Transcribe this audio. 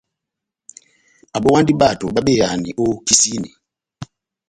Abówandi bato babeyahani ó kisini.